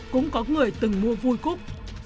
cũng có người từng mua vui cúc